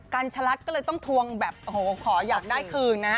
กัญชลัดก็เลยต้องทวงแบบโอ้โหขออยากได้คืนนะฮะ